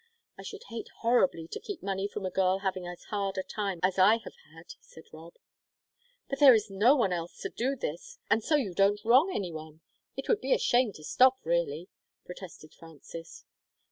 I should hate horribly to keep money from a girl having as hard a time as I have had," said Rob. "But there is no one else to do this, and so you don't wrong anyone. It would be a shame to stop, really," protested Frances.